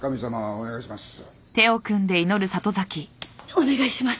お願いします。